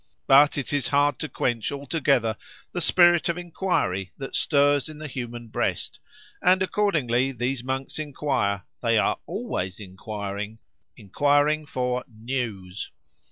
But it is hard to quench altogether the spirit of inquiry that stirs in the human breast, and accordingly these monks inquire—they are always inquiring inquiring for "news"!